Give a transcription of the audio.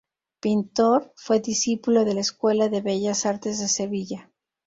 Pintor, fue discípulo de la Escuela de Bellas Artes de Sevilla.